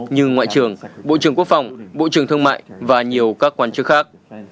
như ngoại trưởng bộ trưởng quốc phòng bộ trưởng thương mại và nhiều các quan chức khác